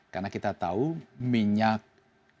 karena kita tahu minyak gas ini akan menyebabkan konflik terbuka